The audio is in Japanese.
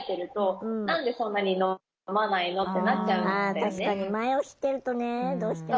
あ確かに前を知ってるとねどうしてもね。